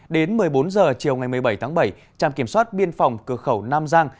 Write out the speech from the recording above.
đến một mươi bốn h chiều ngày một mươi bảy tháng bảy trạm kiểm soát biên phòng cửa khẩu nam giang